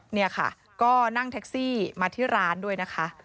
นี่ค่ะก็นั่งแท็กซี่มาที่ร้านด้วยนะคะ